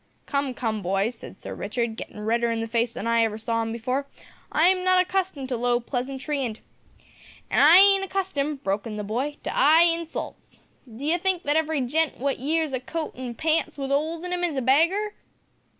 "`Come, come, boy,' said Sir Richard, gettin' redder in the face than I ever before saw him, `I am not accustomed to low pleasantry, and ' "`An' I ain't accustomed,' broke in the boy, `to 'igh hinsults. Do you think that every gent what years a coat an' pants with 'oles in 'em is a beggar?'